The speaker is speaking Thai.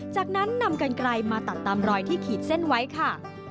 จากนั้นนำกันไกลมาตัดตามรอยที่ขีดเส้นไว้ค่ะ